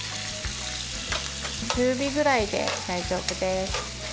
中火ぐらいで大丈夫です。